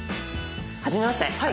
はじめまして。